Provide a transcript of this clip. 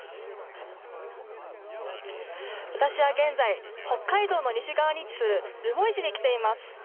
私は現在北海道の西側に位置する留萌市に来ています。